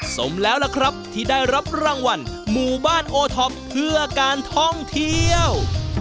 สมแล้วล่ะครับที่ได้รับรางวัลหมู่บ้านโอท็อปเพื่อการท่องเที่ยว